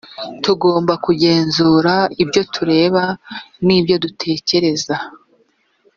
tugomba kugenzura ibyo tureba n’ ibyo dutekereza